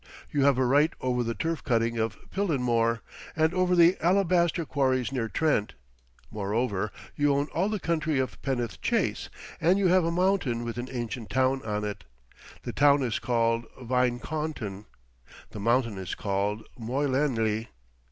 You have a right over the turf cutting of Pillinmore, and over the alabaster quarries near Trent. Moreover, you own all the country of Penneth Chase; and you have a mountain with an ancient town on it. The town is called Vinecaunton; the mountain is called Moilenlli.